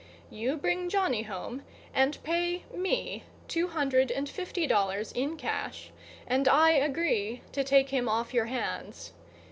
You bring Johnny home and pay me two hundred and fifty dollars in cash, and I agree to take him off your hands.